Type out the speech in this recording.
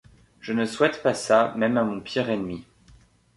Je ne souhaite pas ça même à mon pire ennemi.